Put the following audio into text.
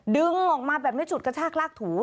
ดึงออกมาแบบนี้จุดกระชากลากถู